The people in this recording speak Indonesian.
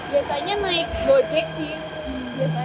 biasanya naik gojek sih